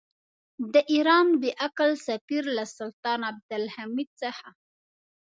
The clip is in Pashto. د ایران بې عقل سفیر له سلطان عبدالحمید څخه.